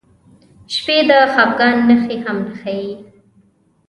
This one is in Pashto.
سپي د خپګان نښې هم ښيي.